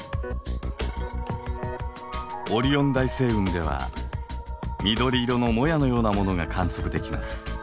オリオン大星雲では緑色のもやのようなものが観測できます。